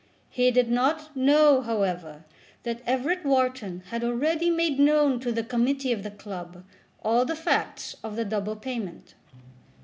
He did not know, however, that Everett Wharton had already made known to the Committee of the club all the facts of the double payment.